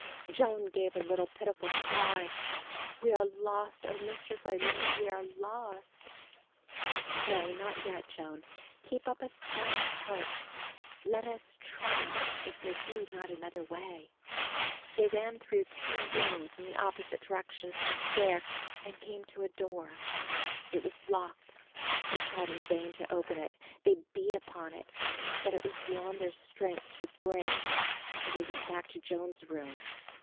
Joan gave a little pitiful cry. "We are lost, oh, Mistress Aline, we are lost." "No, not yet, Joan, keep up a stout heart; let us try if there be not another way." They ran through two rooms in the opposite direction to the stair and came to a door. But it was locked. They tried in vain to open it. They beat upon it, but it was beyond their strength to break, so they went back to Joan's room.